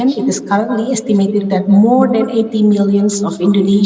sekarang kita mengestimewa bahwa lebih dari delapan puluh juta orang indonesia